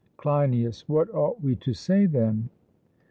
CLEINIAS: What ought we to say then?